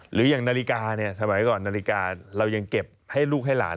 หรืออย่างนาฬิกาเนี่ยสมัยก่อนนาฬิกาเรายังเก็บให้ลูกให้หลาน